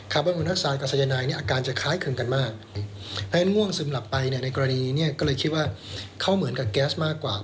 อนอุณัสซานกับสายนายเนี่ยอาการจะคล้ายคลึงกันมากเพราะฉะนั้นง่วงซึมหลับไปเนี่ยในกรณีเนี่ยก็เลยคิดว่าเขาเหมือนกับแก๊สมากกว่า